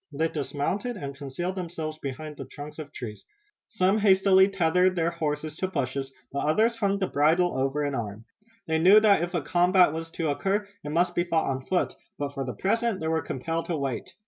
They dismounted and concealed themselves behind the trunks of trees. Some hastily tethered their horses to bushes, but others hung the bridle over an arm. They knew that if a combat was to occur it must be fought on foot, but, for the present, they were compelled to wait.